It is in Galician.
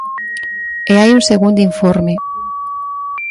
E hai un segundo informe.